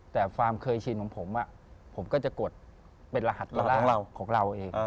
แต่ความเคยชินของผมผมก็จะกดเป็นรหัสร่างของเราเอง